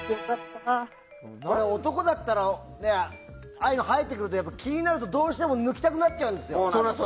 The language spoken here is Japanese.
男だったらああいうの、生えてくると気になるとどうしても抜きたくなっちゃうんですよ。